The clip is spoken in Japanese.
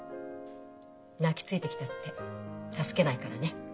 泣きついてきたって助けないからね。